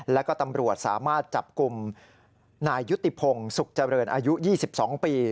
แล้วก็ตำรวจสามารถจับกลุ่มนายยุติพงศ์สุขเจริญอายุ๒๒ปี